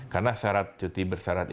karena syarat cuti bersyarat itu